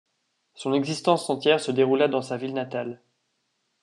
Son existence entière se déroula dans sa ville natale.